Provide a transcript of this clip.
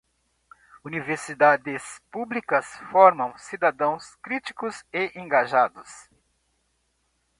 Universidades públicas formam cidadãos críticos e engajados.